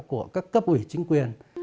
của các cấp ủy chính quyền